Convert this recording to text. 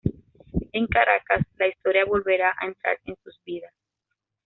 En Caracas, la Historia volverá a entrar en sus vidas.